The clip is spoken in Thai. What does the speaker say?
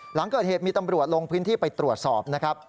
หลังเกิดเหตุมีตำรวจลงพื้นที่ไปตรวจสอบนะครับ